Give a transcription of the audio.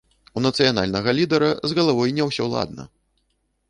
У нацыянальнага лідэра з галавой не ўсё ладна!